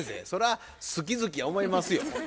それは好き好きや思いますよ。